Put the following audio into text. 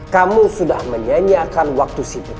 kamu sudah menyanyiakan waktu sibuk